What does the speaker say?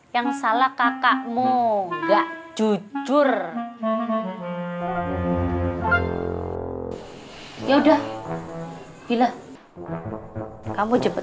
yang salahnya kamu nggak salah kamu nggak salah kamu nggak salah kamu nggak salah kamu nggak salah